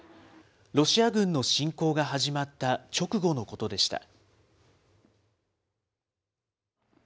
ロシア軍の侵攻が始まった直後のことでした。